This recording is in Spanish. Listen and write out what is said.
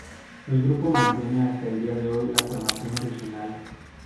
El grupo mantiene hasta el día de hoy la formación original.